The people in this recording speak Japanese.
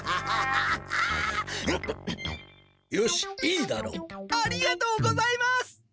ありがとうございます！